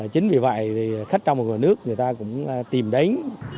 chính vì vậy thì khách trong một ngôi nước người ta cũng tìm đánh